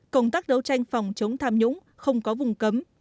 công tác đấu tranh phòng chống tham nhũng không có vùng cấm